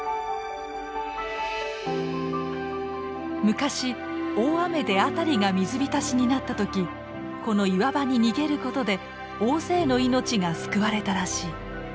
昔大雨で辺りが水浸しになった時この岩場に逃げることで大勢の命が救われたらしい。